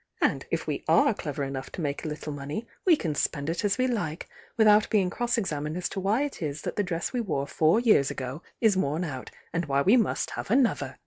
— and if we are clever enough to make a little money, we can spend it as we like, without being cross examined as to why it is that the dress we wore four years ago is worn out, and why we must have another!